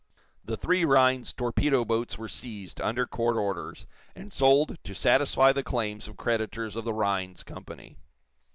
The three Rhinds torpedo boats were seized, under court orders, and sold to satisfy the claims of creditors of the Rhinds Company.